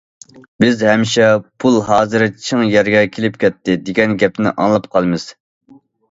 بىز ھەمىشە« پۇل ھازىر چىڭ يەرگە كىرىپ كەتتى» دېگەن گەپنى ئاڭلاپ قالىمىز.